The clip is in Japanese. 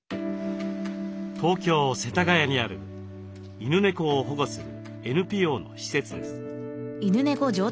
東京・世田谷にある犬猫を保護するＮＰＯの施設です。